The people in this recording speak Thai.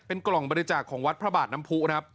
กล่องบริจาคของวัดพระบาทน้ำผู้ครับ